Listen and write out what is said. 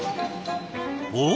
おっ！